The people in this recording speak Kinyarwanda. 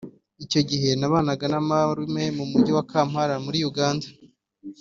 Icyo gihe nabanaga na marume mu Mujyi wa Kampala muri Uganda